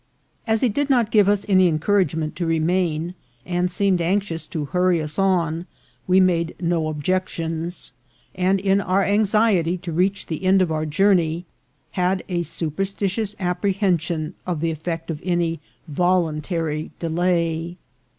As he did not give us any encouragement to remain, and seemed anxious to hurry us on, we made no objections, and in our anxiety to reach the end of our journey, had a superstitious ap prehension of the effect of any voluntary delay.